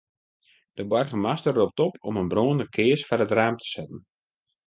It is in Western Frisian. De boargemaster ropt op om in brânende kears foar it raam te setten.